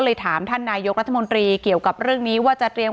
ถามท่านนายกรัฐมนตรีเกี่ยวกับเรื่องนี้ว่าจะเตรียม